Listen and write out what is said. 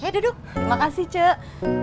terima kasih cek